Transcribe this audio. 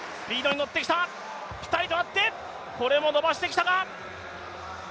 ピタリと合ってこれも伸ばしてきたか。